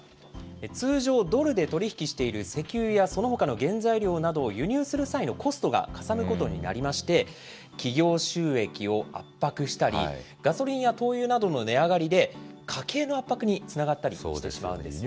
通常、ドルで取り引きしている石油やそのほかの原材料などを輸入する際のコストがかさむことになりまして、企業収益を圧迫したり、ガソリンや灯油などの値上がりで、家計の圧迫につながったりしてしまうんですね。